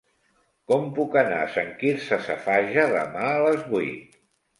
Com puc anar a Sant Quirze Safaja demà a les vuit?